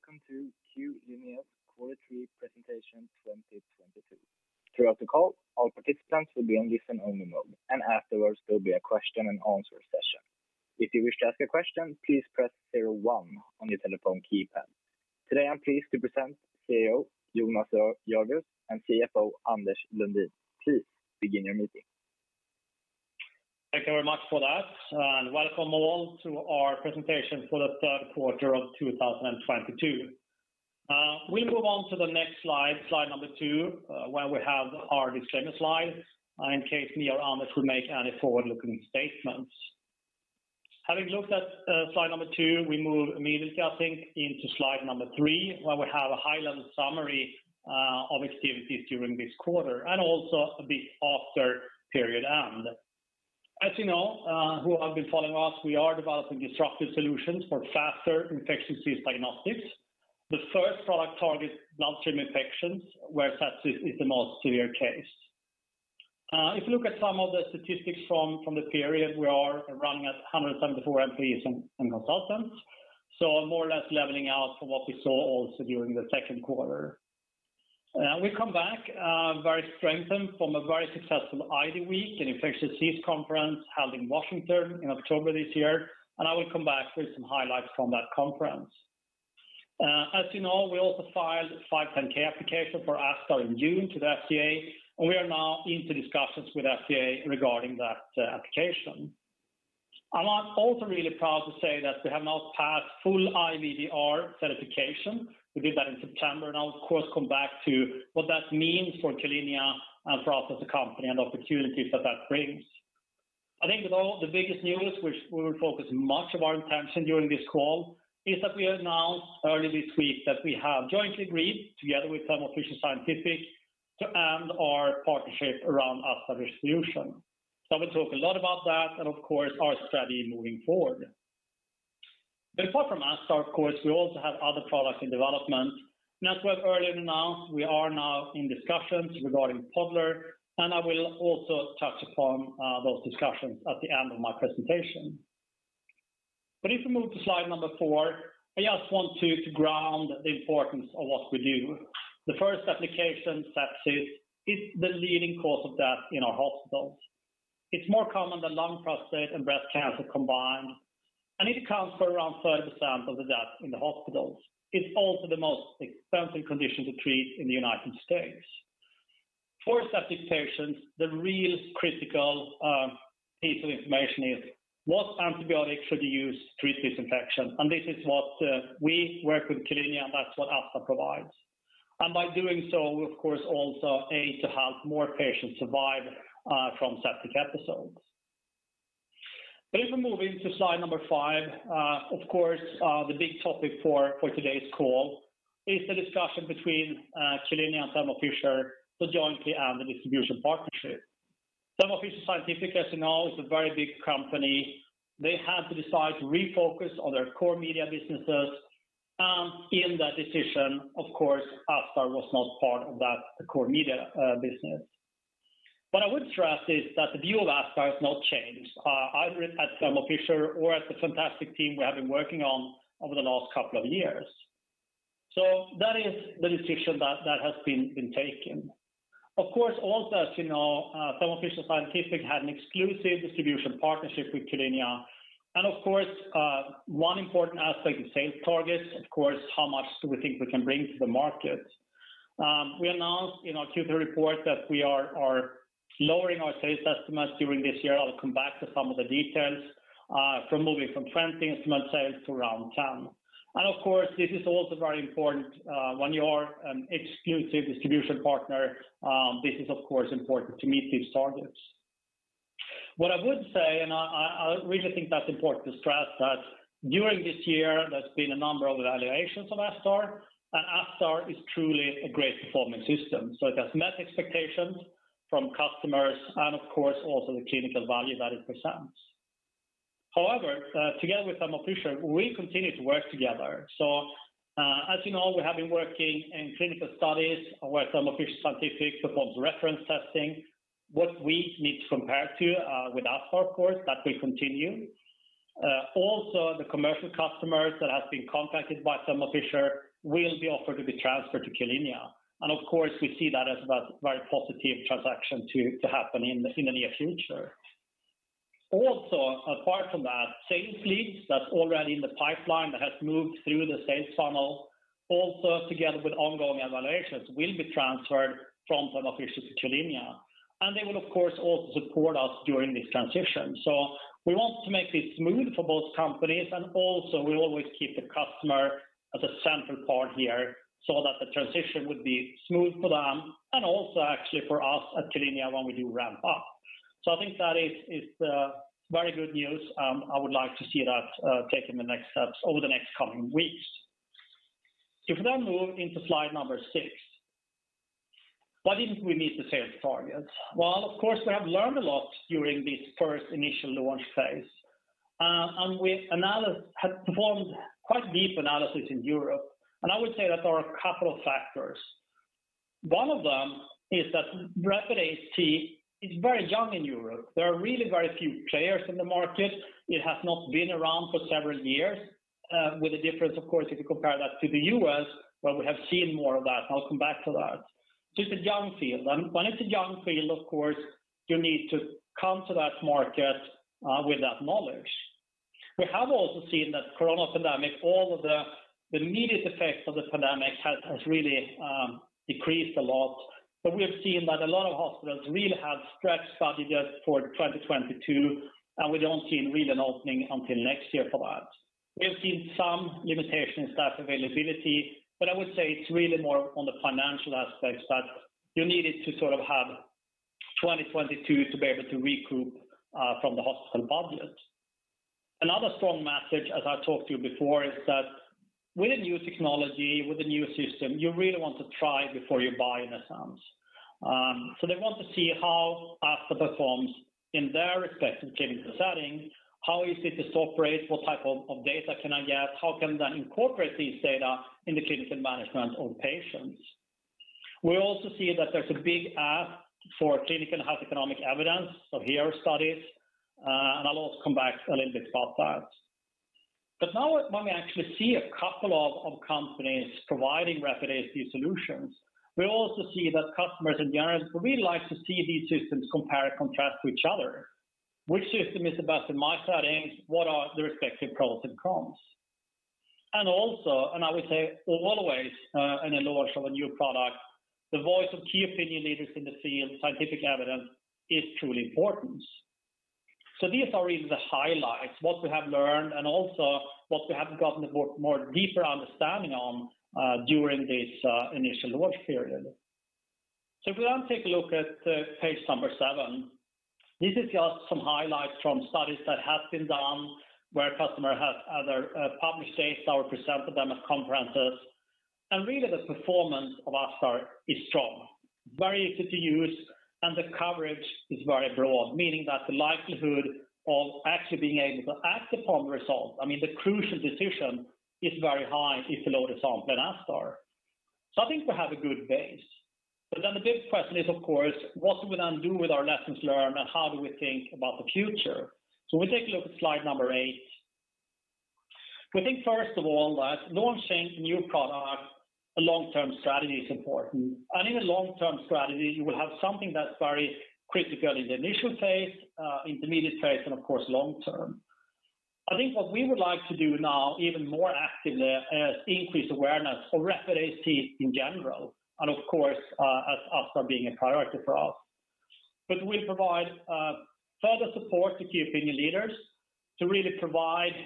Welcome to Q-linea's quarter three presentation 2022. Throughout the call, all participants will be on listen only mode, and afterwards there'll be a question and answer session. If you wish to ask a question, please press zero one on your telephone keypad. Today I'm pleased to present CEO, Jonas Jarvius, and CFO, Anders Lundin. Please begin your meeting. Thank you very much for that, and welcome all to our presentation for the third quarter of 2022. We move on to the next slide number two, where we have our disclaimer slide in case me or Anders will make any forward-looking statements. Having looked at slide number two, we move immediately, I think, into slide number three, where we have a high-level summary of activities during this quarter and also a bit after period end. As you know, who have been following us, we are developing disruptive solutions for faster infectious disease diagnostics. The first product targets bloodstream infections, where sepsis is the most severe case. If you look at some of the statistics from the period, we are running at 174 employees and consultants, so more or less leveling out from what we saw also during the second quarter. We come back very strengthened from a very successful IDWeek, an infectious disease conference held in Washington in October this year. I will come back with some highlights from that conference. As you know, we also filed a 510(k) application for ASTar in June to the FDA, and we are now into discussions with FDA regarding that application. I'm also really proud to say that we have now passed full IVDR certification. We did that in September, and I'll of course come back to what that means for Q-linea and for us as a company and opportunities that that brings. I think with all the biggest news, which we will focus much of our attention during this call, is that we have now, early this week, that we have jointly agreed together with Thermo Fisher Scientific to end our partnership around ASTar distribution. I will talk a lot about that and of course our strategy moving forward. Apart from ASTar of course, we also have other products in development. As we have earlier announced, we are now in discussions regarding Podler, and I will also touch upon those discussions at the end of my presentation. If we move to slide number four, I just want to ground the importance of what we do. The first application, sepsis, is the leading cause of death in our hospitals. It's more common than lung, prostate, and breast cancer combined, and it accounts for around 30% of the deaths in the hospitals. It's also the most expensive condition to treat in the United States. For septic patients, the real critical piece of information is what antibiotic should you use to treat this infection? This is what we work with Q-linea, and that's what ASTar provides. By doing so, we of course also aid to have more patients survive from septic episodes. If we move into slide number five, of course, the big topic for today's call is the discussion between Q-linea and Thermo Fisher to jointly end the distribution partnership. Thermo Fisher Scientific, as you know, is a very big company. They had to decide to refocus on their core microbiology businesses. In that decision, of course, Astrego was not part of that core microbiology business. What I would stress is that the view of Astrego has not changed, either at Thermo Fisher or at the fantastic team we have been working on over the last couple of years. That is the decision that has been taken. Of course, also as you know, Thermo Fisher Scientific had an exclusive distribution partnership with Q-linea. Of course, one important aspect is sales targets. Of course, how much do we think we can bring to the market? We announced in our Q3 report that we are lowering our sales estimates during this year. I'll come back to some of the details, from moving from 20 instrument sales to around 10. Of course, this is also very important when you are an exclusive distribution partner. This is of course important to meet these targets. What I would say, I really think that's important to stress, that during this year, there's been a number of evaluations of ASTar, and ASTar is truly a great performing system. It has met expectations from customers and of course also the clinical value that it presents. However, together with Thermo Fisher, we continue to work together. As you know, we have been working in clinical studies where Thermo Fisher Scientific performs reference testing. What we need to compare to with ASTar of course, that will continue. Also the commercial customers that have been contacted by Thermo Fisher will be offered to be transferred to Q-linea. Of course, we see that as a very positive transaction to happen in the near future. Also, apart from that, sales leads that's already in the pipeline that has moved through the sales funnel, also together with ongoing evaluations, will be transferred from Thermo Fisher to Q-linea, and they will of course also support us during this transition. We want to make this smooth for both companies, and also we always keep the customer as a central part here so that the transition would be smooth for them and also actually for us at Q-linea when we do ramp up. I think that is very good news. I would like to see that taking the next steps over the next coming weeks. If we now move into slide number six, why didn't we meet the sales targets? Well, of course, we have learned a lot during this first initial launch phase. We've performed quite deep analysis in Europe. I would say that there are a couple of factors. One of them is that rapid AST is very young in Europe. There are really very few players in the market. It has not been around for several years, with the difference, of course, if you compare that to the U.S., where we have seen more of that. I'll come back to that. Just a young field. When it's a young field, of course, you need to come to that market, with that knowledge. We have also seen that corona pandemic, all of the immediate effects of the pandemic has really decreased a lot. We have seen that a lot of hospitals really have stretched budgets for 2022, and we don't see really an opening until next year for that. We have seen some limitations to that availability, but I would say it's really more on the financial aspects that you needed to sort of have 2022 to be able to recoup from the hospital budget. Another strong message, as I talked to you before, is that with a new technology, with a new system, you really want to try before you buy in a sense. They want to see how ASTar performs in their respective clinical setting. How easy it is to operate, what type of data can I get? How can then incorporate this data in the clinical management of patients? We also see that there's a big ask for clinical and health economic evidence, so here are studies, and I'll also come back a little bit about that. Now when we actually see a couple of companies providing rapid AST solutions, we also see that customers in general would really like to see these systems compare and contrast to each other. Which system is the best in my settings? What are the respective pros and cons? Also, I would say always, in a launch of a new product, the voice of key opinion leaders in the field, scientific evidence is truly important. These are really the highlights, what we have learned and also what we have gotten a more deeper understanding on, during this initial launch period. If we now take a look at page number seven, this is just some highlights from studies that have been done where customers have either published data or presented them at conferences. Really the performance of ASTar is strong, very easy to use, and the coverage is very broad, meaning that the likelihood of actually being able to act upon the result, I mean, the crucial decision is very high if the load is on, then ASTar. I think we have a good base. The big question is, of course, what do we then do with our lessons learned, and how do we think about the future. We take a look at slide number eight. We think first of all, that launching a new product, a long-term strategy is important. In a long-term strategy, you will have something that's very critical in the initial phase, intermediate phase, and of course, long-term. I think what we would like to do now, even more actively, is increase awareness for rapid AST in general, and of course, as ASTar being a priority for us. We'll provide further support to key opinion leaders to really provide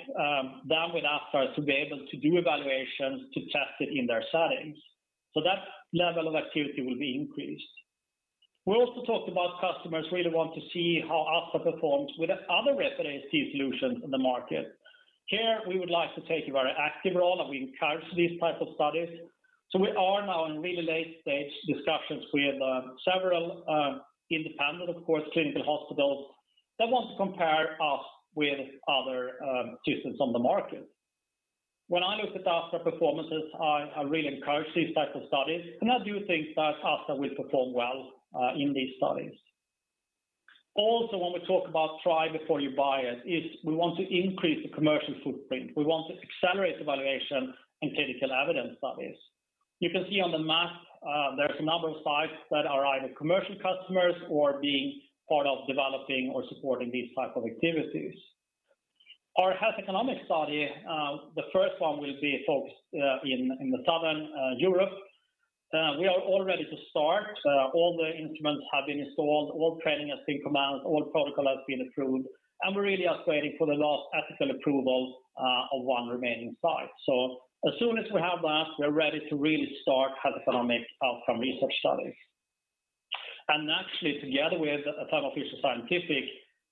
them with ASTar to be able to do evaluations to test it in their settings. That level of activity will be increased. We also talked about customers really want to see how ASTar performs with other rapid AST solutions in the market. Here, we would like to take a very active role, and we encourage these types of studies. We are now in really late-stage discussions with several independent, of course, clinical hospitals that want to compare us with other systems on the market. When I look at ASTar performances, I really encourage these types of studies, and I do think that ASTar will perform well in these studies. Also, when we talk about try before you buy it, is we want to increase the commercial footprint. We want to accelerate evaluation and clinical evidence studies. You can see on the map, there's a number of sites that are either commercial customers or being part of developing or supporting these type of activities. Our health economic study, the first one will be focused in the southern Europe. We are already to start. All the instruments have been installed, all training has been completed, all protocol has been approved, and we really are waiting for the last ethical approval of one remaining site. As soon as we have that, we're ready to really start health economic outcome research studies. Actually, together with Thermo Fisher Scientific,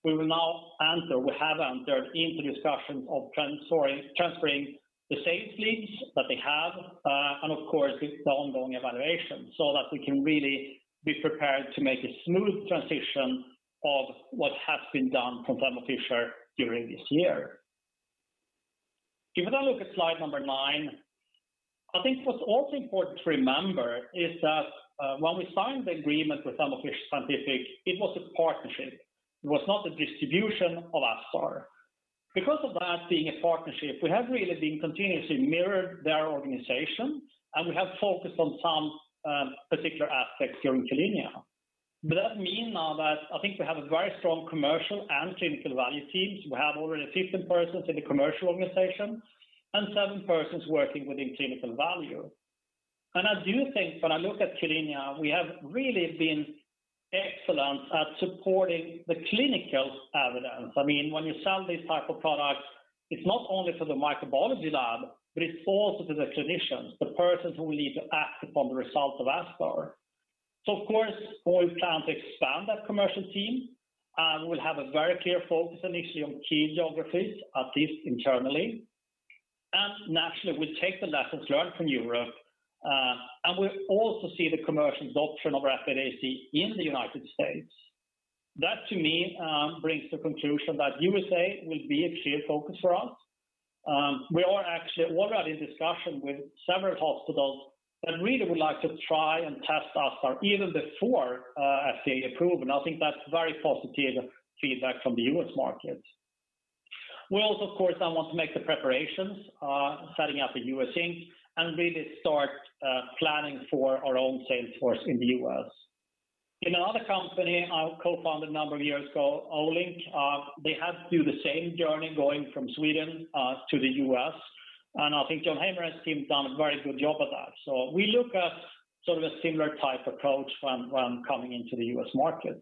we have entered into discussions of transferring the same leads that they have, and of course, with the ongoing evaluation, so that we can really be prepared to make a smooth transition of what has been done from Thermo Fisher during this year. If we now look at slide number nine, I think what's also important to remember is that, when we signed the agreement with Thermo Fisher Scientific, it was a partnership. It was not a distribution of ASTar. Because of that being a partnership, we have really been continuously mirrored their organization, and we have focused on some particular aspects during clinical. That mean now that I think we have a very strong commercial and clinical value teams. We have already 15 persons in the commercial organization and seven persons working within clinical value. I do think when I look at clinical, we have really been excellent at supporting the clinical evidence. I mean, when you sell these type of products, it's not only for the microbiology lab, but it's also to the clinicians, the persons who need to act upon the results of ASTar. Of course, we plan to expand that commercial team, and we'll have a very clear focus initially on key geographies, at least internally. Naturally, we take the lessons learned from Europe, and we also see the commercial adoption of rapid AST in the United States. That to me brings the conclusion that U.S.A will be a key focus for us. We're already in discussion with several hospitals that really would like to try and test our ASTar even before FDA approval. I think that's very positive feedback from the U.S. market. We also, of course, I want to make the preparations, setting up a U.S. Inc., and really start planning for our own sales force in the U.S. In another company I co-founded a number of years ago, Olink, they had to do the same journey going from Sweden to the U.S. I think Jon Heimer and his team have done a very good job at that. We look at sort of a similar type approach when coming into the U.S. market.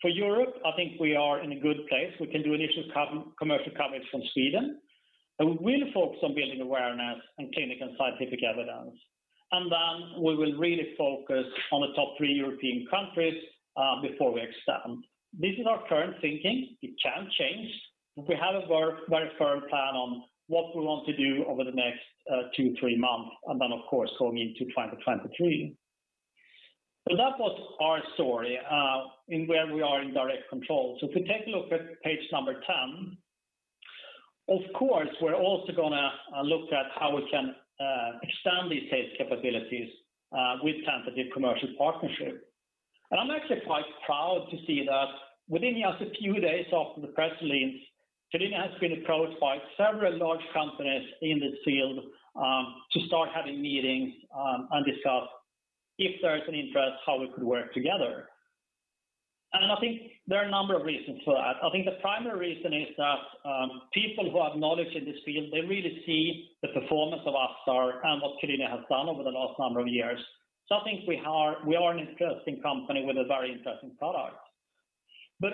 For Europe, I think we are in a good place. We can do initial co-commercial coverage from Sweden. We really focus on building awareness in clinic and scientific evidence. We will really focus on the top three European countries before we expand. This is our current thinking. It can change. We have a very, very firm plan on what we want to do over the next 2-3 months, and then of course, going into 2023. That was our story in where we are in direct control. If we take a look at page 10, of course, we're also gonna look at how we can extend these sales capabilities with tentative commercial partnership. I'm actually quite proud to see that within just a few days of the press release, Q-linea has been approached by several large companies in this field, to start having meetings, and discuss if there is any interest, how we could work together. I think there are a number of reasons for that. I think the primary reason is that, people who have knowledge in this field, they really see the performance of our ASTar and what Q-linea has done over the last number of years. I think we are an interesting company with a very interesting product.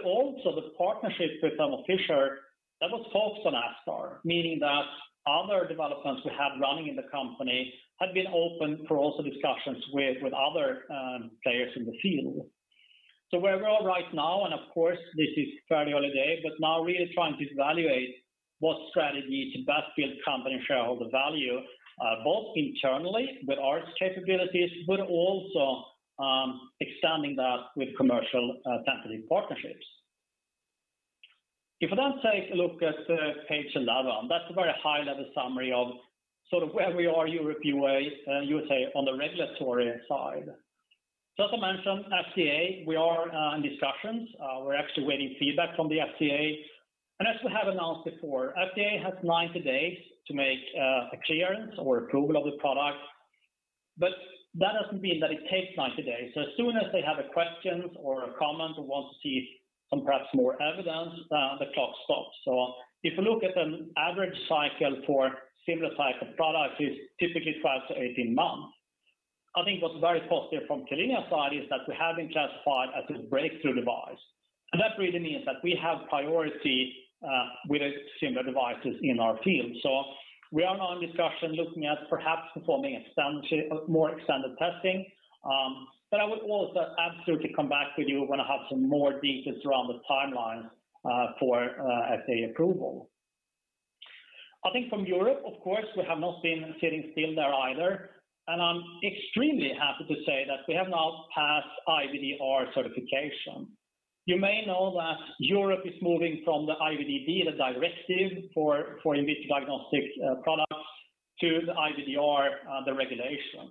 Also the partnership with Thermo Fisher, that was focused on our ASTar, meaning that other developments we have running in the company had been open for also discussions with other players in the field. Where we are right now, and of course, this is fairly early day, but now really trying to evaluate what strategy to best build company shareholder value, both internally with our capabilities, but also, extending that with commercial, tentative partnerships. If we then take a look at page 11, that's a very high level summary of sort of where we are in Europe anyway in the USA on the regulatory side. As I mentioned, FDA, we are in discussions. We're actually waiting feedback from the FDA. As we have announced before, FDA has 90 days to make a clearance or approval of this product. That doesn't mean that it takes 90 days. As soon as they have a question or a comment or want to see some perhaps more evidence, the clock stops. If you look at an average cycle for similar type of products, it's typically 12-18 months. I think what's very positive from Q-linea side is that we have been classified as a Breakthrough Device. That really means that we have priority with similar devices in our field. We are now in discussion looking at perhaps performing more extended testing. I would also absolutely come back to you when I have some more details around the timeline for FDA approval. I think from Europe, of course, we have not been sitting still there either. I'm extremely happy to say that we have now passed IVDR certification. You may know that Europe is moving from the IVD, the Directive for In Vitro Diagnostic Products, to the IVDR, the regulation.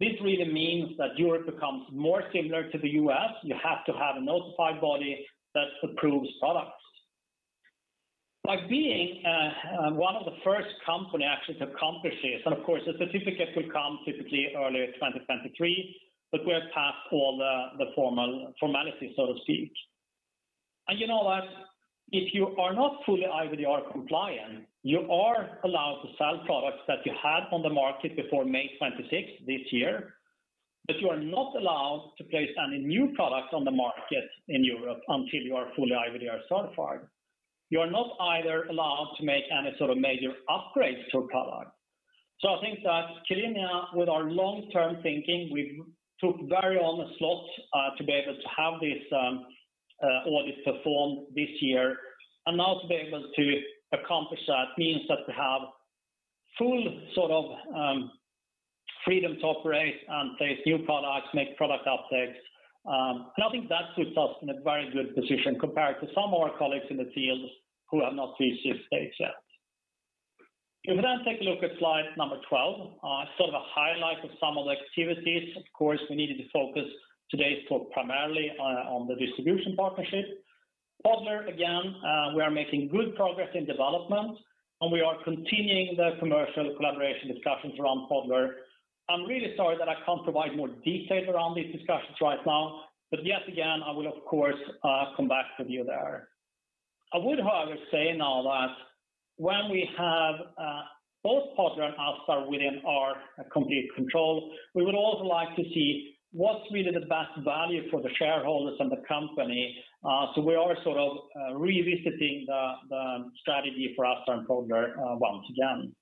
This really means that Europe becomes more similar to the U.S. You have to have a notified body that approves products. By being one of the first company actually to accomplish this, and of course, the certificate will come typically early 2023, but we're past all the formalities, so to speak. You know that if you are not fully IVDR compliant, you are allowed to sell products that you had on the market before May 26 this year. You are not allowed to place any new products on the market in Europe until you are fully IVDR certified. You are not either allowed to make any sort of major upgrades to a product. I think that Q-linea, with our long-term thinking, we took very early slot to be able to have this audit performed this year. Now to be able to accomplish that means that we have full sort of freedom to operate and place new products, make product updates. I think that puts us in a very good position compared to some of our colleagues in the field who have not reached this stage yet. If we then take a look at slide number 12, sort of a highlight of some of the activities. Of course, we needed to focus today's talk primarily on the distribution partnership. Podler, again, we are making good progress in development, and we are continuing the commercial collaboration discussions around Podler. I'm really sorry that I can't provide more detail around these discussions right now, but yet again, I will of course come back with you there. I would, however, say now that when we have both Podler and ASTar within our complete control, we would also like to see what's really the best value for the shareholders and the company. We are sort of revisiting the strategy for ASTar and Podler once again.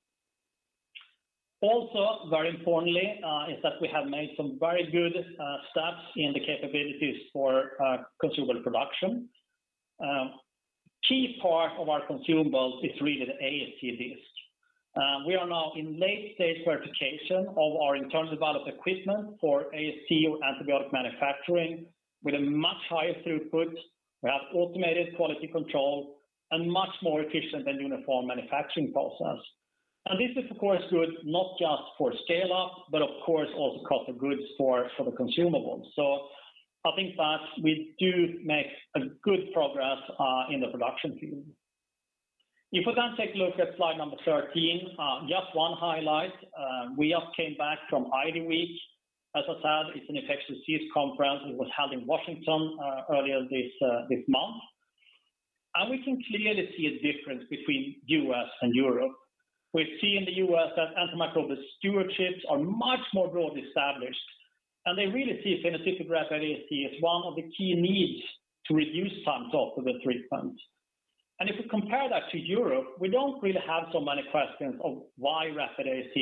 Also, very importantly, is that we have made some very good steps in the capabilities for consumable production. Key part of our consumables is really the AST disc. We are now in late stage verification of our internal developed equipment for AST disc manufacturing with a much higher throughput. We have automated quality control and much more efficient and uniform manufacturing process. This is, of course, good not just for scale up, but of course also cost of goods for the consumables. I think that we do make a good progress in the production field. If we can take a look at slide number 13, just one highlight. We just came back from IDWeek. As I said, it's an infectious disease conference. It was held in Washington earlier this month. We can clearly see a difference between U.S. and Europe. We've seen in the U.S. that antimicrobial stewardships are much more broadly established, and they really see phenotypic rapid AST as one of the key needs to reduce time to treatment. If we compare that to Europe, we don't really have so many questions of why rapid AST,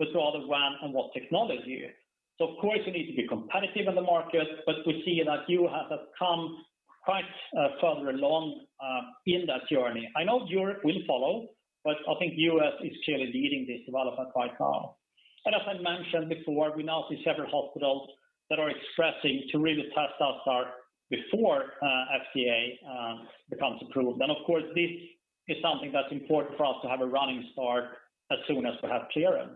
but rather when and what technology. Of course, we need to be competitive in the market, but we see that you have come quite further along in that journey. I know Europe will follow, but I think U.S. is clearly leading this development right now. As I mentioned before, we now see several hospitals that are expressing to really test our ASTar before FDA becomes approved. Of course, this is something that's important for us to have a running start as soon as we have clearance.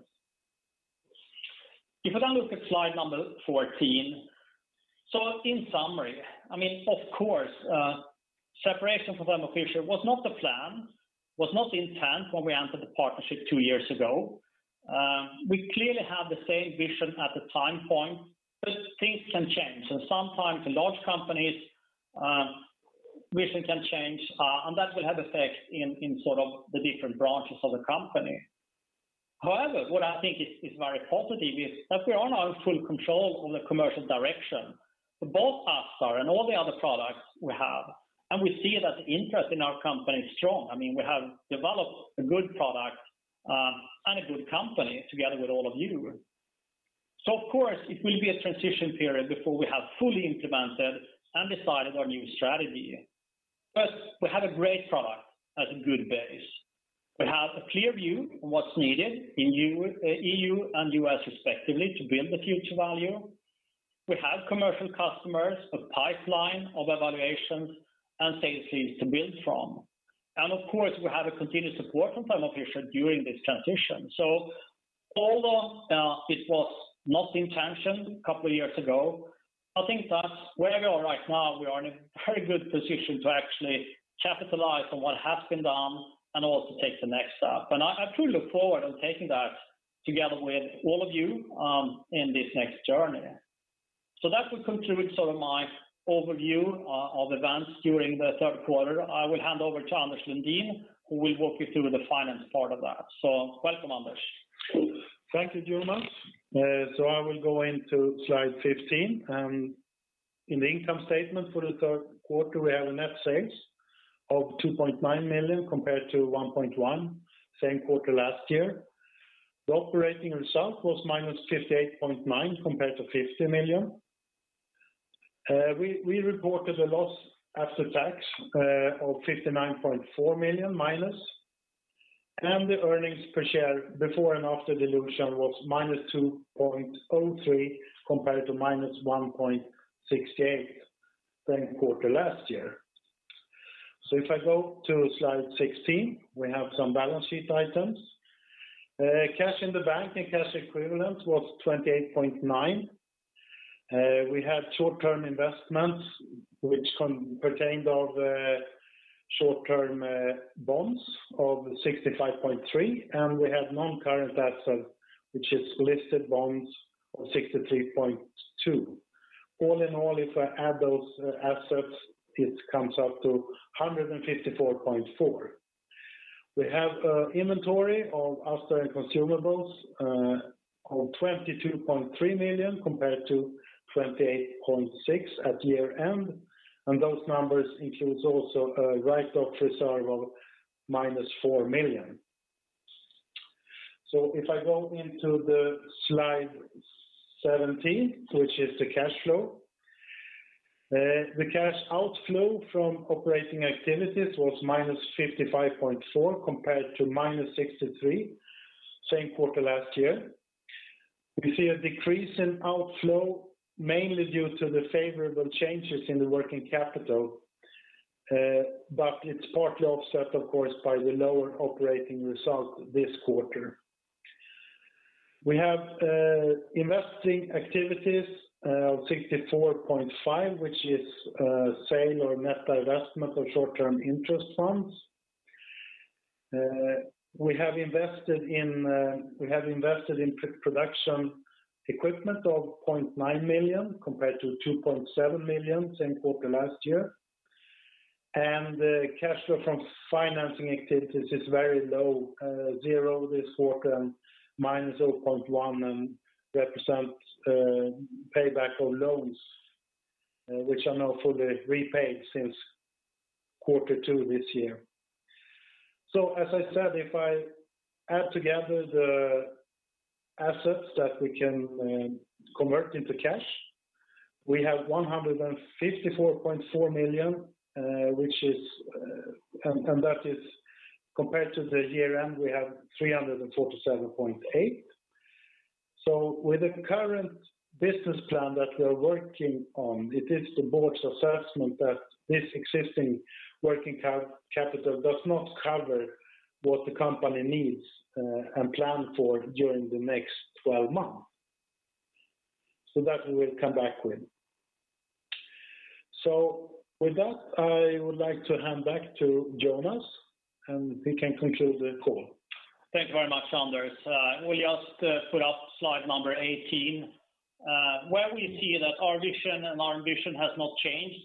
If we then look at slide number 14. In summary, I mean, of course, separation from Thermo Fisher was not the plan, was not the intent when we entered the partnership two years ago. We clearly have the same vision at the time point, but things can change. Sometimes in large companies, vision can change, and that will have effect in sort of the different branches of the company. However, what I think is very positive is that we are now in full control of the commercial direction. Both ASTar and all the other products we have, and we see that the interest in our company is strong. I mean, we have developed a good product, and a good company together with all of you. Of course, it will be a transition period before we have fully implemented and decided our new strategy. We have a great product as a good base. We have a clear view on what's needed in EU and U.S. respectively to build the future value. We have commercial customers, a pipeline of evaluations, and sales teams to build from. Of course, we have a continued support from Thermo Fisher during this transition. Although it was not the intention a couple of years ago, I think that where we are right now, we are in a very good position to actually capitalize on what has been done and also take the next step. I truly look forward on taking that together with all of you in this next journey. That will conclude sort of my overview of events during the third quarter. I will hand over to Anders Lundin, who will walk you through the finance part of that. Welcome, Anders. Thank you, Jonas. I will go into slide 15. In the income statement for the third quarter, we have net sales of 2.9 million compared to 1.1 million same quarter last year. The operating result was -58.9 million compared to 50 million. We reported a loss after tax of -59.4 million. The earnings per share before and after dilution was -2.03 compared to -1.68 same quarter last year. If I go to slide 16, we have some balance sheet items. Cash in the bank and cash equivalents was 28.9 million. We have short-term investments which consisted of short-term bonds of 65.3 million, and we have non-current assets, which is listed bonds of 63.2 million. All in all, if I add those assets, it comes up to 154.4. We have inventory of ASTar and consumables of 22.3 million compared to 28.6 million at year-end. Those numbers includes also a write-off reserve of -4 million. If I go into the slide 17, which is the cash flow. The cash outflow from operating activities was -55.4 compared to -63 same quarter last year. We see a decrease in outflow, mainly due to the favorable changes in the working capital, but it's partly offset, of course, by the lower operating result this quarter. We have investing activities of 64.5, which is sale or net investment of short-term interest funds. We have invested in production equipment of 0.9 million compared to 2.7 million same quarter last year. The cash flow from financing activities is very low, Zero this quarter, -0.1 and represents payback of loans, which are now fully repaid since quarter two this year. As I said, if I add together the assets that we can convert into cash, we have 154.4 million, which is, and that is compared to the year-end, we have 347.8. With the current business plan that we are working on, it is the board's assessment that this existing working capital does not cover what the company needs, and plan for during the next twelve months. That we will come back with. With that, I would like to hand back to Jonas, and he can conclude the call. Thank you very much, Anders. We just put up slide number 18, where we see that our vision and our ambition has not changed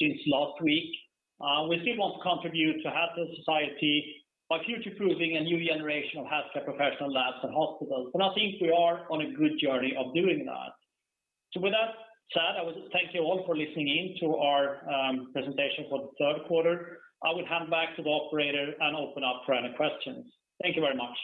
since last week. We still want to contribute to healthier society by future-proofing a new generation of healthcare professional labs and hospitals. I think we are on a good journey of doing that. With that said, I would thank you all for listening in to our presentation for the third quarter. I will hand back to the operator and open up for any questions. Thank you very much.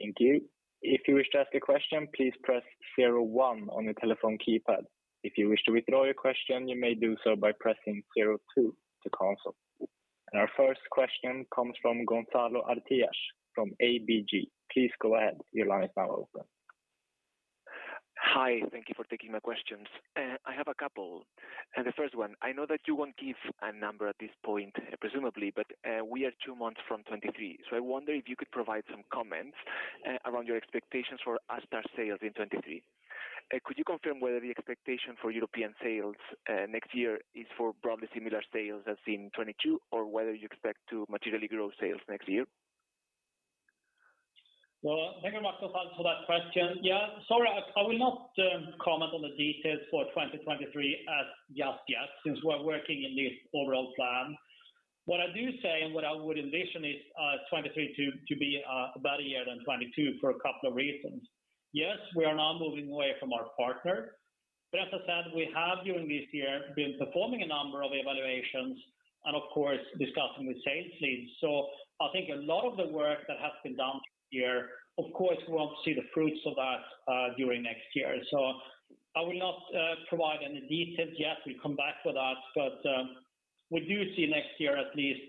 Thank you. If you wish to ask a question, please press zero one on your telephone keypad. If you wish to withdraw your question, you may do so by pressing zero two to cancel. Our first question comes from Gonzalo Almeida from ABG. Please go ahead. Your line is now open. Hi. Thank you for taking my questions. I have a couple. The first one, I know that you won't give a number at this point, presumably, but, we are two months from 2023. I wonder if you could provide some comments around your expectations for ASTar sales in 2023. Could you confirm whether the expectation for European sales next year is for broadly similar sales as in 2022, or whether you expect to materially grow sales next year? Well, thank you much, Gonzalo, for that question. Yeah. Sorry, I will not comment on the details for 2023 just yet, since we're working on this overall plan. What I do say, and what I would envision is 2023 to be a better year than 2022 for a couple of reasons. Yes, we are now moving away from our partner, but as I said, we have during this year been performing a number of evaluations and of course discussing with sales leads. I think a lot of the work that has been done here, of course we want to see the fruits of that during next year. I will not provide any details yet. We come back with that. We do see next year at least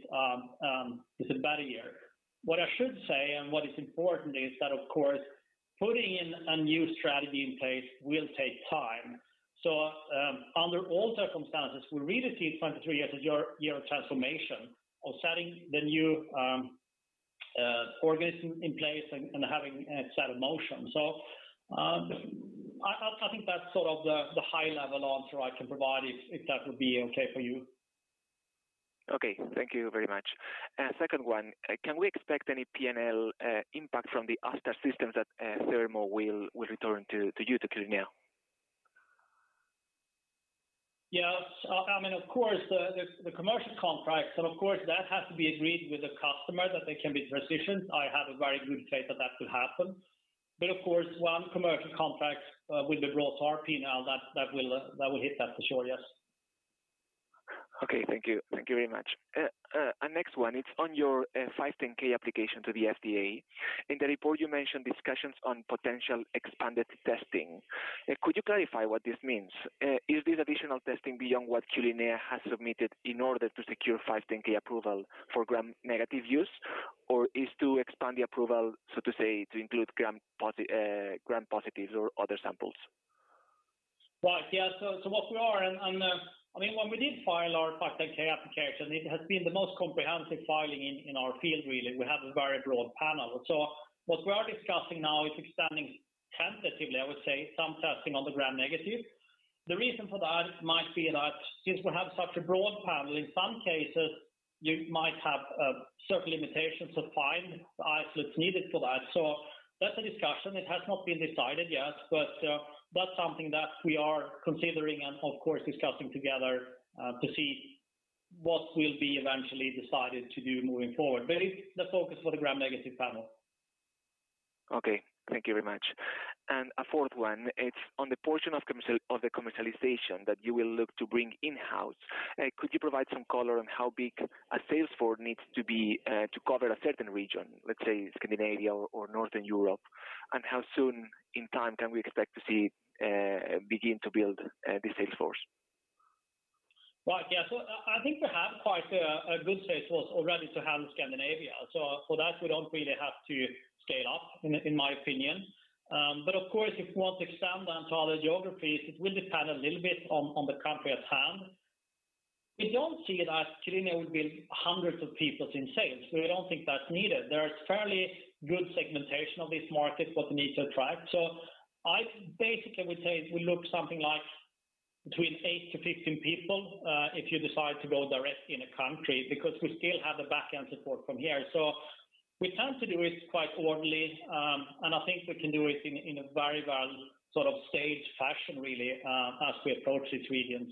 is a better year. What I should say and what is important is that of course, putting in a new strategy in place will take time. Under all circumstances, we really see 2023 as a year of transformation of setting the new organization in place and having it set in motion. I think that's sort of the high level answer I can provide if that would be okay for you. Thank you very much. Second one, can we expect any P&L impact from the ASTar systems that Thermo will return to you to Q-linea? Yeah. I mean, of course, the commercial contracts, and of course that has to be agreed with the customer that they can be transitioned. I have a very good faith that that could happen. Of course, one commercial contract with the broad panel, that will hit that for sure, yes. Okay. Thank you. Thank you very much. Next one, it's on your 510(k) application to the FDA. In the report, you mentioned discussions on potential expanded testing. Could you clarify what this means? Is this additional testing beyond what Q-linea has submitted in order to secure 510(k) approval for gram-negative use, or is to expand the approval, so to say, to include gram-positive or other samples? Right. Yeah. I mean, when we did file our 510(k) application, it has been the most comprehensive filing in our field really. We have a very broad panel. What we are discussing now is expanding tentatively, I would say, some testing on the gram-negative. The reason for that might be that since we have such a broad panel, in some cases you might have certain limitations to find the isolates needed for that. That's a discussion. It has not been decided yet. That's something that we are considering and of course discussing together to see what will be eventually decided to do moving forward. It's the focus for the gram-negative panel. Okay. Thank you very much. A fourth one, it's on the portion of the commercialization that you will look to bring in-house. Could you provide some color on how big a sales force needs to be to cover a certain region, let's say Scandinavia or Northern Europe? How soon in time can we expect to see begin to build the sales force? Right. Yeah. I think we have quite a good sales force already to handle Scandinavia. For that, we don't really have to scale up, in my opinion. Of course, if you want to expand onto other geographies, it will depend a little bit on the country at hand. We don't see that Q-linea would build hundreds of people in sales. We don't think that's needed. There is fairly good segmentation of this market that needs to be targeted. I basically would say it will look something like between 8-15 people, if you decide to go directly in a country, because we still have the back-end support from here. We tend to do it quite orderly, and I think we can do it in a very well sort of staged fashion really, as we approach each region.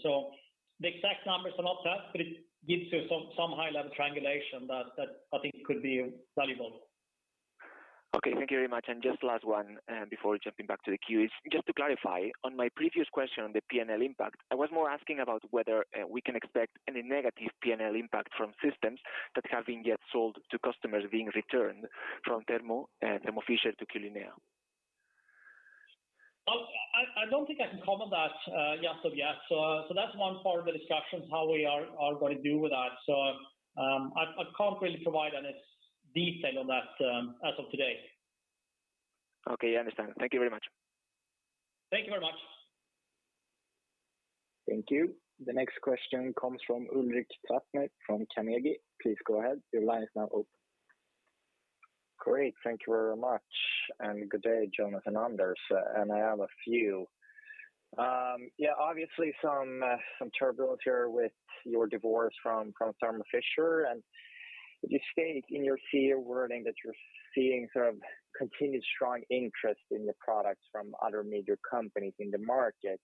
The exact numbers are not that, but it gives you some high-level triangulation that I think could be valuable. Okay, thank you very much. Just last one, before jumping back to the queue is just to clarify on my previous question on the PNL impact, I was more asking about whether we can expect any negative PNL impact from systems that have been get sold to customers being returned from Thermo Fisher to Q-linea. I don't think I can comment that as of yet. That's one part of the discussions, how we are gonna do with that. I can't really provide any detail on that as of today. Okay, I understand. Thank you very much. Thank you very much. Thank you. The next question comes from Ulrik Platzer from Kempen. Please go ahead. Your line is now open. Great. Thank you very much. Good day, Jonas and Anders. I have a few. Yeah, obviously some turbulence here with your divorce from Thermo Fisher. You state in your CA wording that you're seeing sort of continued strong interest in your products from other major companies in the market.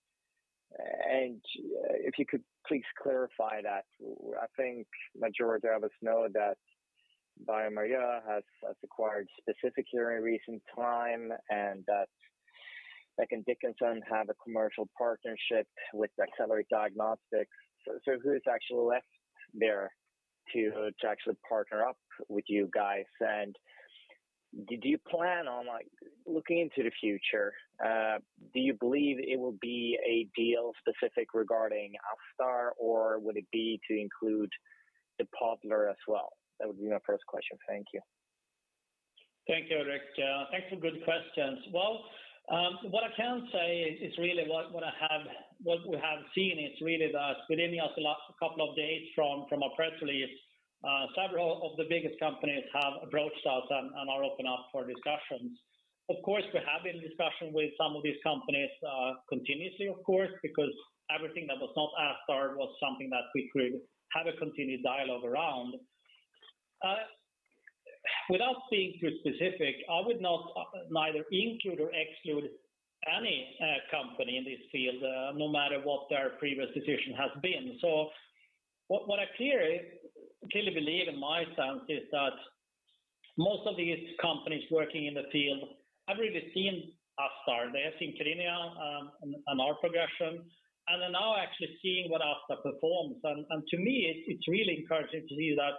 If you could please clarify that. I think majority of us know that bioMérieux has acquired Specific Diagnostics here in recent time, and that Becton Dickinson have a commercial partnership with Accelerate Diagnostics. Who's actually left there to actually partner up with you guys? Do you plan on, like, looking into the future, do you believe it will be a deal specific regarding ASTar or would it be to include the Podler as well? That would be my first question. Thank you. Thank you, Ulrik. Thanks for good questions. Well, what I can say is really what we have seen is really that within just the last couple of days from our press release, several of the biggest companies have approached us and are open to discussions. Of course, we have been in discussion with some of these companies continuously, of course, because everything that was not ASTar was something that we could have a continued dialogue around. Without being too specific, I would neither include nor exclude any company in this field, no matter what their previous position has been. What I clearly believe in my sense is that most of these companies working in the field have really seen ASTar. They have seen Q-linea and our progression, and they're now actually seeing what ASTar performs. To me it's really encouraging to see that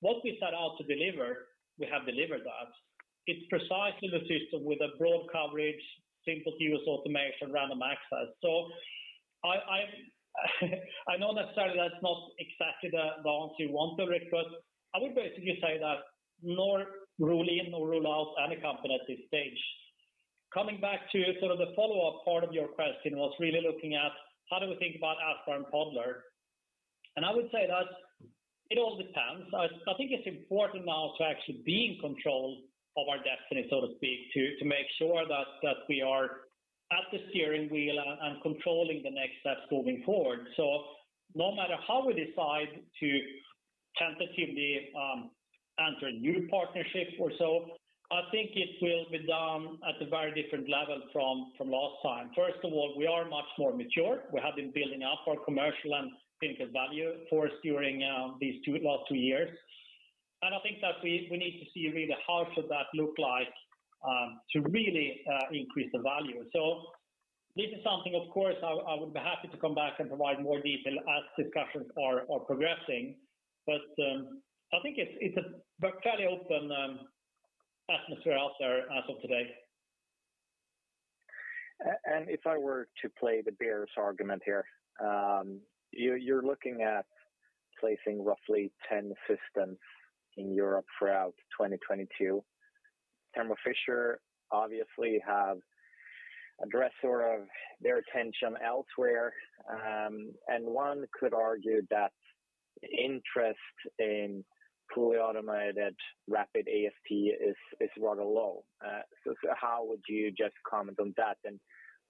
what we set out to deliver, we have delivered that. It's precisely the system with a broad coverage, simple to use automation, random access. I know it's not necessarily the answer you want, Ulrik, but I would basically say that neither rule in nor rule out any company at this stage. Coming back to sort of the follow-up part of your question was really looking at how do we think about ASTar and Podler. I would say that it all depends. I think it's important now to actually be in control of our destiny, so to speak, to make sure that we are at the steering wheel and controlling the next steps moving forward. No matter how we decide to tentatively enter a new partnership or so, I think it will be done at a very different level from last time. First of all, we are much more mature. We have been building up our commercial and clinical value during these last two years. I think that we need to see really how that should look like to really increase the value. This is something of course I would be happy to come back and provide more detail as discussions are progressing. I think it's a very open atmosphere out there as of today. If I were to play the bears argument here, you're looking at placing roughly 10 systems in Europe throughout 2022. Thermo Fisher obviously have addressed sort of their attention elsewhere. One could argue that interest in fully automated rapid AST is rather low. So how would you just comment on that?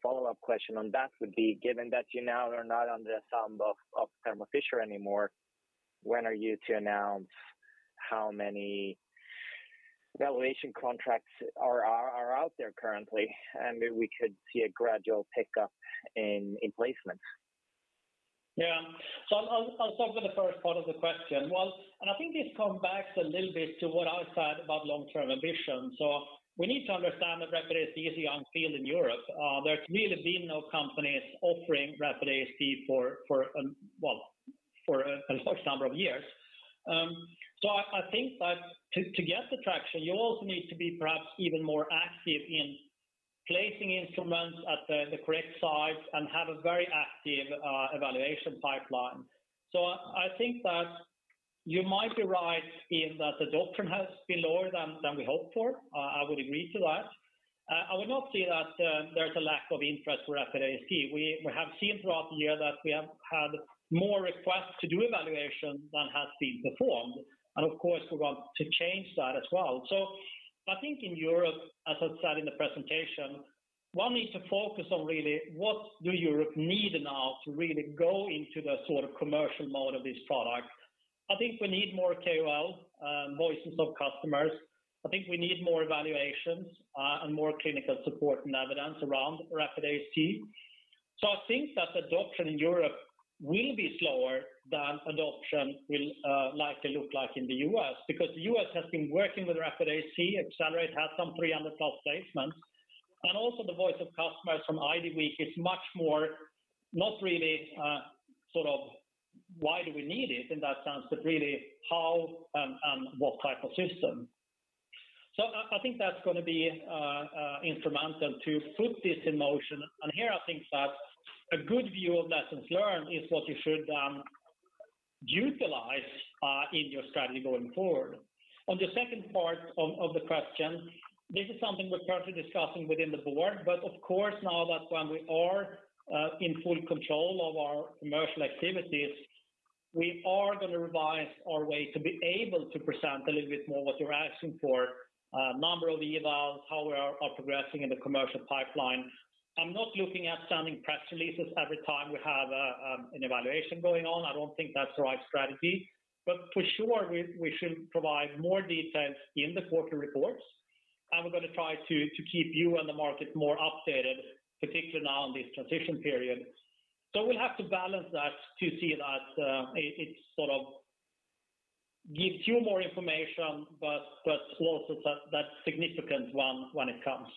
Follow-up question on that would be, given that you now are not under the thumb of Thermo Fisher anymore, when are you to announce how many valuation contracts are out there currently? Maybe we could see a gradual pickup in placements. Yeah. I'll start with the first part of the question. Well, I think this comes back a little bit to what I said about long-term ambition. We need to understand that rapid AST is a young field in Europe. There's really been no companies offering rapid AST for a large number of years. I think that to get the traction, you also need to be perhaps even more active in placing instruments at the correct sites and have a very active evaluation pipeline. I think that you might be right in that the adoption has been lower than we hoped for. I would agree to that. I would not say that there's a lack of interest for rapid AST. We have seen throughout the year that we have had more requests to do evaluation than has been performed. Of course, we want to change that as well. I think in Europe, as I said in the presentation, one needs to focus on really what do Europe need now to really go into the sort of commercial mode of this product. I think we need more KOL voices of customers. I think we need more evaluations and more clinical support and evidence around rapid AST. I think that adoption in Europe will be slower than adoption will likely look like in the U.S. because the U.S. has been working with rapid AST. Accelerate has some 300+ placements. Also the voice of customers from IDWeek is much more not really sort of why do we need it in that sense, but really how and what type of system. I think that's gonna be instrumental to put this in motion. Here I think that a good view of lessons learned is what you should utilize in your strategy going forward. On the second part of the question, this is something we're currently discussing within the board, but of course now that when we are in full control of our commercial activities, we are gonna revise our way to be able to present a little bit more what you're asking for, number of evals, how we are progressing in the commercial pipeline. I'm not looking at sending press releases every time we have an evaluation going on. I don't think that's the right strategy. For sure, we should provide more details in the quarter reports, and we're gonna try to keep you and the market more updated, particularly now in this transition period. We have to balance that to see that it sort of gives you more information, but also that significant one when it comes.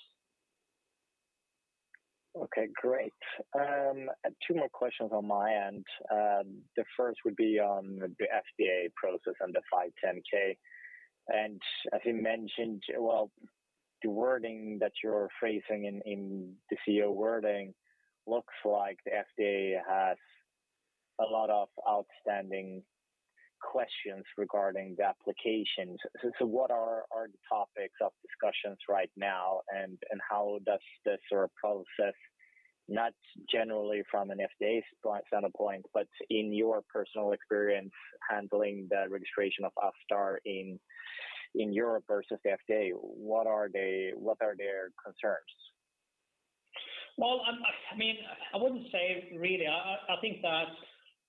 Okay, great. Two more questions on my end. The first would be on the FDA process and the 510(k). As you mentioned, well, the wording that you're phrasing in the CEO wording looks like the FDA has a lot of outstanding questions regarding the applications. So what are the topics of discussions right now, and how does this sort of process, not generally from an FDA standpoint, but in your personal experience handling the registration of ASTar in Europe versus FDA, what are their concerns? Well, I mean, I wouldn't say really. I think that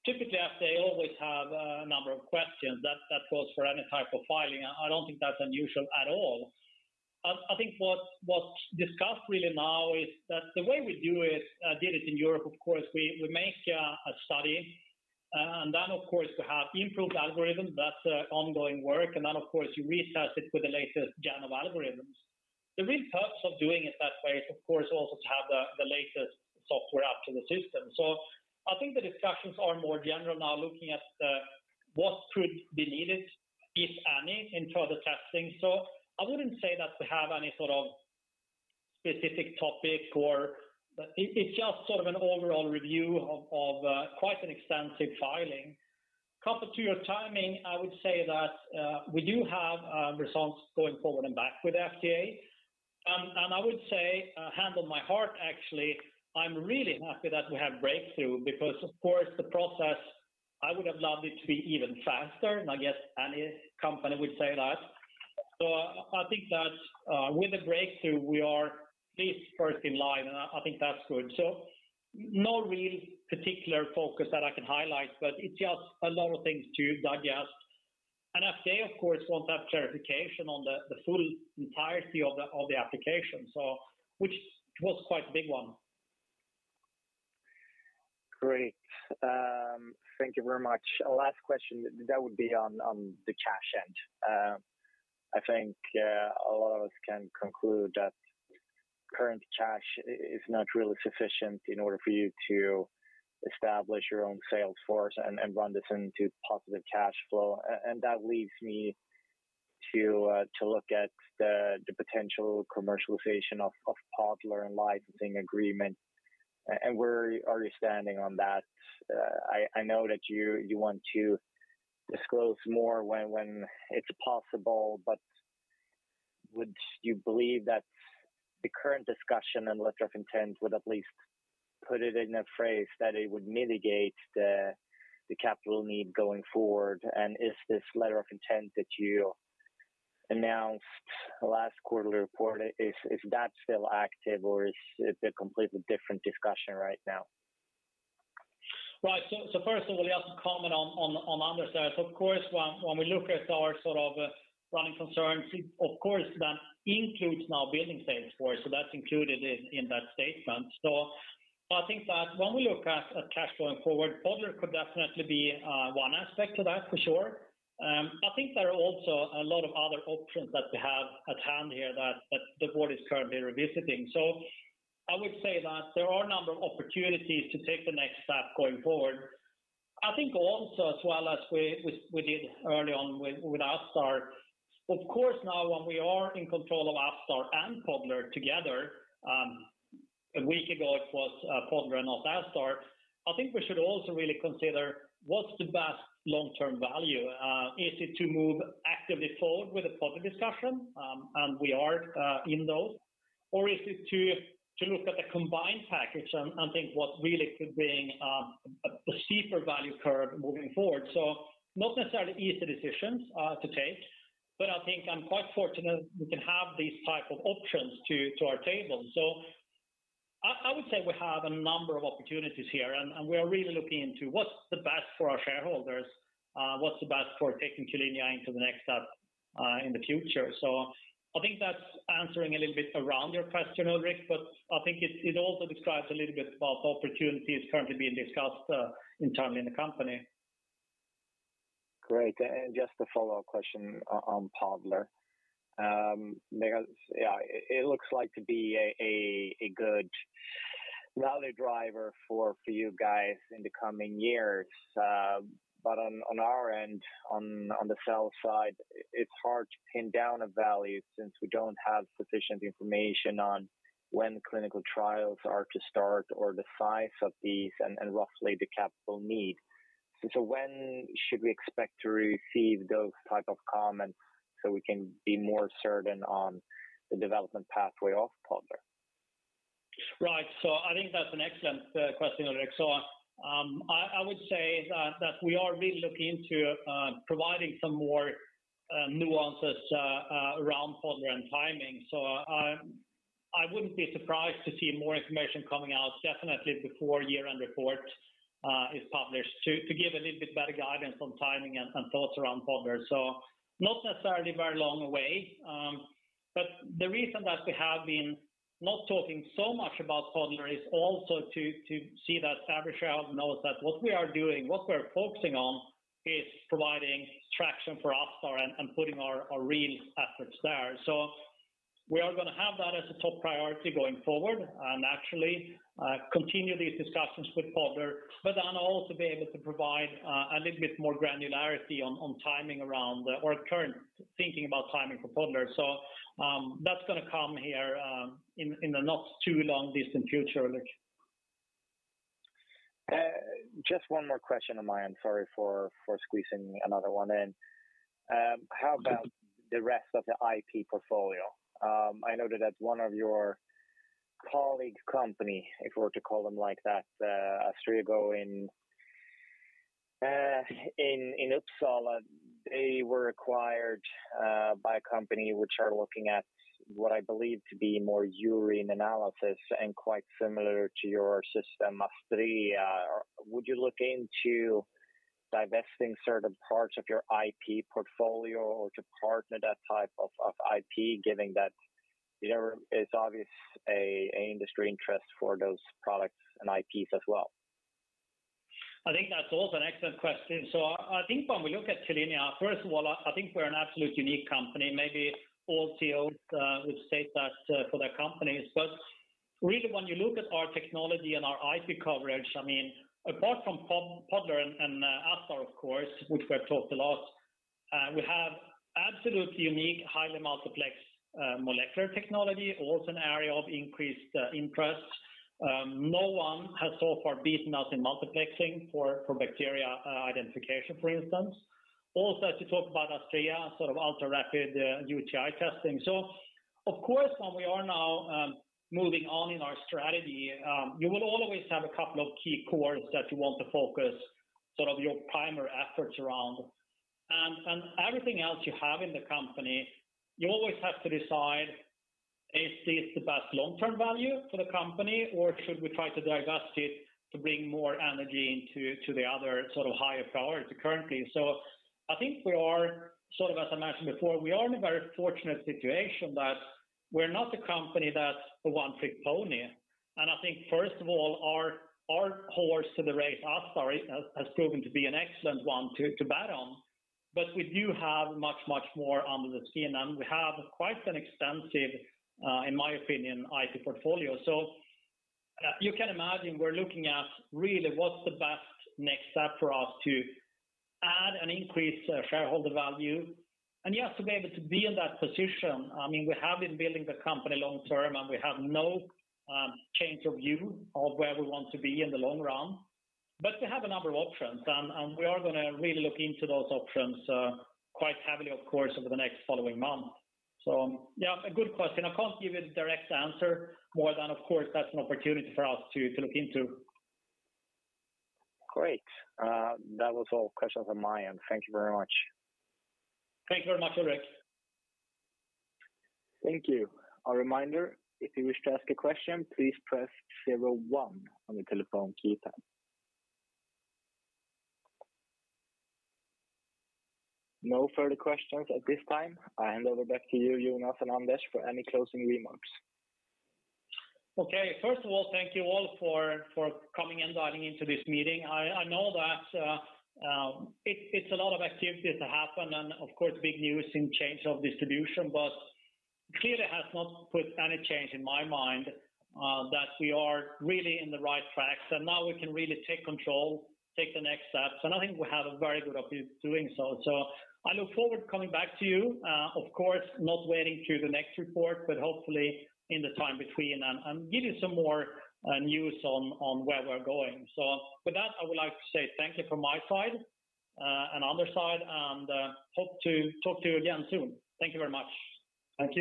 typically FDA always have a number of questions. That goes for any type of filing. I don't think that's unusual at all. I think what's discussed really now is that the way we do it, did it in Europe, of course, we make a study, and then of course, we have improved algorithms. That's ongoing work. Of course, you retest it with the latest gen of algorithms. The real purpose of doing it that way is of course also to have the latest software up to the system. I think the discussions are more general now looking at what could be needed, if any, in further testing. I wouldn't say that we have any sort of specific topic or. It's just sort of an overall review of quite an extensive filing. Coupled to your timing, I would say that we do have results going forward and back with FDA. I would say, hand on my heart actually, I'm really happy that we have Breakthrough because of course, the process, I would have loved it to be even faster, and I guess any company would say that. I think that with the Breakthrough, we are at least first in line, and I think that's good. No real particular focus that I can highlight, but it's just a lot of things to digest. FDA of course want that clarification on the full entirety of the application, so which was quite a big one. Great. Thank you very much. Last question that would be on the cash end. I think a lot of us can conclude that current cash is not really sufficient in order for you to establish your own sales force and run this into positive cash flow. That leads me to look at the potential commercialization of Podler and licensing agreement. Where are you standing on that? I know that you want to disclose more when it's possible, but would you believe that the current discussion and letter of intent would at least put it in a phase that it would mitigate the capital need going forward? Is this letter of intent that you announced last quarterly report, is that still active or is it a completely different discussion right now? Right. First of all, let me comment on the other side. Of course, when we look at our sort of running concerns, it of course then includes now building sales force. That's included in that statement. I think that when we look at cash going forward, Podler could definitely be one aspect to that for sure. I think there are also a lot of other options that we have at hand here that the board is currently revisiting. I would say that there are a number of opportunities to take the next step going forward. I think also as well as we did early on with ASTar, of course now when we are in control of ASTar and Podler together, a week ago it was Podler and not ASTar. I think we should also really consider what's the best long-term value. Is it to move actively forward with a Podler discussion? We are in those. Is it to look at the combined package and think what really could bring a steeper value curve moving forward. Not necessarily easy decisions to take, but I think I'm quite fortunate we can have these type of options to our table. I would say we have a number of opportunities here, and we are really looking into what's the best for our shareholders, what's the best for taking Q-linea into the next step. In the future. I think that's answering a little bit around your question, Ulrik, but I think it also describes a little bit about opportunities currently being discussed internally in the company. Great. Just a follow-up question on Podler. Because, yeah, it looks like to be a good value driver for you guys in the coming years. But on our end, on the sell side, it's hard to pin down a value since we don't have sufficient information on when clinical trials are to start or the size of these and roughly the capital need. When should we expect to receive those type of comments so we can be more certain on the development pathway of Podler? Right. I think that's an excellent question, Ulrik. I would say that we are really looking into providing some more nuances around Podler and timing. I wouldn't be surprised to see more information coming out definitely before year-end report is published to give a little bit better guidance on timing and thoughts around Podler. Not necessarily very long away. The reason that we have been not talking so much about Podler is also to see that every shareholder knows that what we are doing, what we're focusing on, is providing traction for ASTar and putting our real efforts there. We are gonna have that as a top priority going forward, naturally, continue these discussions with Podler, but then also be able to provide a little bit more granularity on timing around our current thinking about timing for Podler. That's gonna come here in the not too long distant future, Ulrik. Just one more question on my end. Sorry for squeezing another one in. Mm-hmm. How about the rest of the IP portfolio? I know that that's one of your colleague company, if we were to call them like that, Astrego in Uppsala. They were acquired by a company which are looking at what I believe to be more urine analysis and quite similar to your system, ASTar. Would you look into divesting certain parts of your IP portfolio or to partner that type of IP, given that there is obviously a industry interest for those products and IPs as well? I think that's also an excellent question. I think when we look at Q-linea, first of all, I think we're an absolute unique company. Maybe all CEOs would state that for their companies. Really when you look at our technology and our IP coverage, I mean, apart from Podler and AstAr, of course, which we have talked a lot, we have absolutely unique, highly multiplexed molecular technology, also an area of increased interest. No one has so far beaten us in multiplexing for bacteria identification, for instance. Also, as you talk about AstAr, sort of ultra-rapid UTI testing. Of course, when we are now moving on in our strategy, you will always have a couple of key cores that you want to focus sort of your primary efforts around. Everything else you have in the company, you always have to decide, is this the best long-term value for the company, or should we try to divest it to bring more energy into the other sort of higher priorities currently? I think we are, sort of as I mentioned before, in a very fortunate situation that we're not the company that's the one-trick pony. I think first of all, our horse in the race, ASTar, has proven to be an excellent one to bet on. We do have much more under the CE-IVD. We have quite an extensive, in my opinion, IP portfolio. You can imagine we're looking at really what's the best next step for us to add and increase shareholder value. Yes, to be able to be in that position, I mean, we have been building the company long term, and we have no change of view of where we want to be in the long run. We have a number of options, and we are gonna really look into those options quite heavily, of course, over the next following month. Yeah, a good question. I can't give a direct answer more than, of course, that's an opportunity for us to look into. Great. That was all questions on my end. Thank you very much. Thank you very much, Ulrik. Thank you. A reminder, if you wish to ask a question, please press zero one on your telephone keypad. No further questions at this time. I hand over back to you, Jonas and Anders, for any closing remarks. Okay. First of all, thank you all for coming and dialing into this meeting. I know that it's a lot of activity to happen and of course, big news in change of distribution, but clearly has not put any change in my mind that we are really on the right track. Now we can really take control, take the next steps, and I think we have a very good way of doing so. I look forward to coming back to you, of course, not waiting until the next report, but hopefully in the time between and give you some more news on where we're going. With that, I would like to say thank you from my side and Anders' side and hope to talk to you again soon. Thank you very much. Thank you.